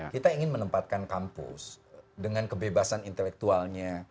kita ingin menempatkan kampus dengan kebebasan intelektualnya